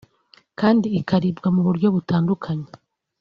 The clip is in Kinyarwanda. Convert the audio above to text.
kandi ikaribwa mu buryo butandukanye